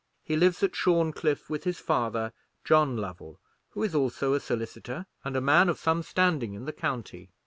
He lives at Shorncliffe with his father, John Lovell, who is also a solicitor, and a man of some standing in the county.